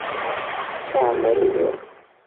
塞尔梅里厄。